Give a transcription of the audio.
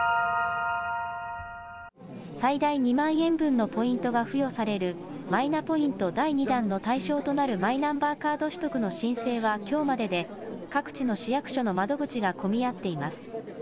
最大２万円分のポイントが付与されるマイナポイント第２弾の対象となるマイナンバーカード取得の申請はきょうまでで各地の市役所の窓口が混み合っています。